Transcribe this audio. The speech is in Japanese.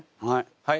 はい。